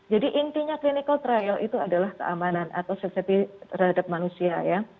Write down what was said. jadi intinya clinical trial itu adalah keamanan atau safety terhadap manusia ya